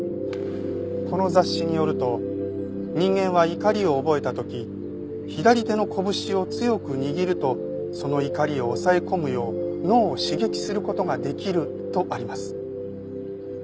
この雑誌によると「人間は怒りを覚えたとき左手の拳を強く握るとその怒りを抑え込むよう脳を刺激することができる」とあります。